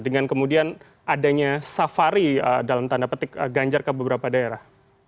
dengan kemudian adanya safari dalam tanda petik ganjar ke beberapa daerah